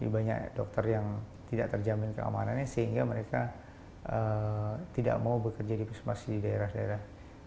banyak dokter yang tidak terjamin keamanannya sehingga mereka tidak mau bekerja di puskesmas di daerah daerah